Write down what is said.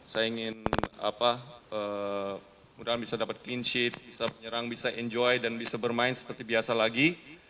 saya ingin mudah mudahan bisa dapat clean sheet bisa penyerang bisa enjoy dan bisa bermain seperti biasa lagi